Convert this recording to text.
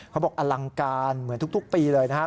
เขาบอกอลังการเหมือนทุกปีเลยนะฮะ